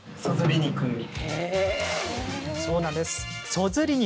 そずり肉。